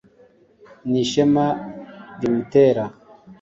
ni ishema rimutera